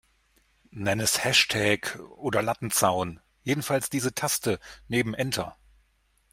Nenn es Hashtag oder Lattenzaun, jedenfalls diese Taste neben Enter.